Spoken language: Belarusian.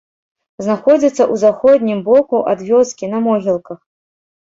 Знаходзіцца ў заходнім боку ад вёскі, на могілках.